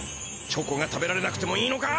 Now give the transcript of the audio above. チョコが食べられなくてもいいのか？